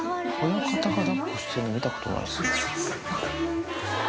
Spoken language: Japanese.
親方がだっこしてるの見たことないですね。